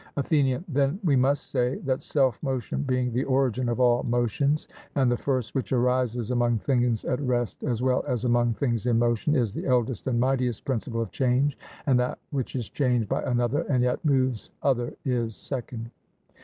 ATHENIAN: Then we must say that self motion being the origin of all motions, and the first which arises among things at rest as well as among things in motion, is the eldest and mightiest principle of change, and that which is changed by another and yet moves other is second.